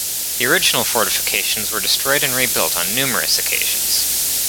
The original fortifications were destroyed and rebuilt on numerous occasions.